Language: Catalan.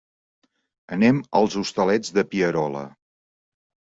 Anem als Hostalets de Pierola.